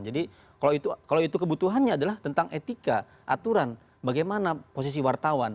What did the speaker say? jadi kalau itu kebutuhannya adalah tentang etika aturan bagaimana posisi wartawan